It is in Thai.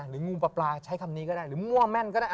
งูปลาใช้คำนี้ก็ได้หรือมั่วแม่นก็ได้